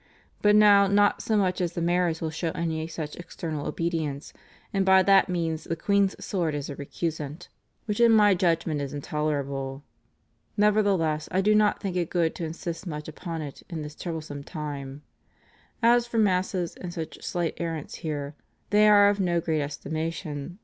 But now not so much as the mayors will show any such external obedience, and by that means the queen's sword is a recusant, which in my judgment is intolerable. Nevertheless I do not think it good to insist much upon it in this troublesome time. As for Masses and such slight errants here, they are of no great estimation.